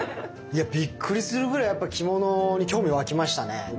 いやびっくりするぐらいやっぱ着物に興味湧きましたね。